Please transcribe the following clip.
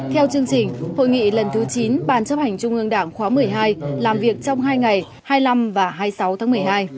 theo chương trình hội nghị lần thứ chín ban chấp hành trung ương đảng khóa một mươi hai làm việc trong hai ngày hai mươi năm và hai mươi sáu tháng một mươi hai